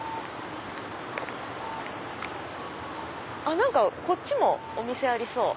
何かこっちもお店ありそう